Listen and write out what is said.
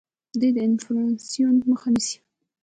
دوی د انفلاسیون مخه نیسي.